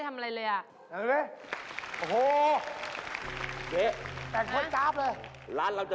ดูดีดูการแต่งตัวเจ๊